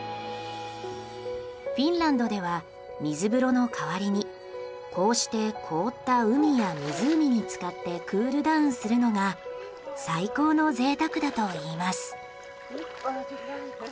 フィンランドでは水風呂の代わりにこうして凍った海や湖につかってクールダウンするのが最高のぜいたくだといいます。